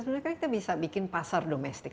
sebenarnya kan kita bisa bikin pasar domestik